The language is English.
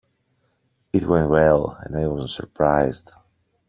It went well, and I wasn't surprised.